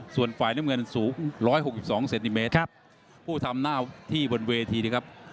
ส่วนฝ่ายน้ำเงินสูงร้อยหกกิบสองเซนติเมตรครับครับผู้ทำหน้าที่บนเวทีนะครับ